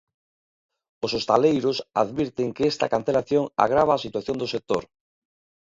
Os hostaleiros advirten que esta cancelación agrava a situación do sector.